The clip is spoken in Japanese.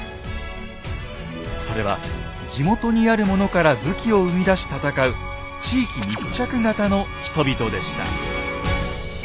それは地元にあるものから武器を生み出し戦う地域密着型の人々でした。